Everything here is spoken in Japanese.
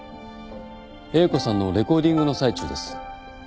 英子さんのレコーディングの最中です。